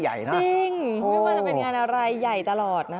จริงไม่ว่าจะเป็นงานอะไรใหญ่ตลอดนะคะ